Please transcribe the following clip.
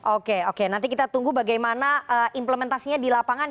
oke oke nanti kita tunggu bagaimana implementasinya di lapangan